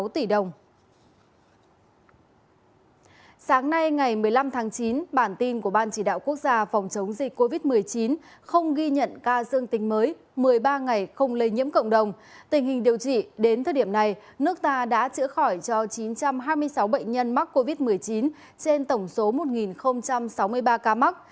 tình hình điều trị đến thời điểm này nước ta đã chữa khỏi cho chín trăm hai mươi sáu bệnh nhân mắc covid một mươi chín trên tổng số một sáu mươi ba ca mắc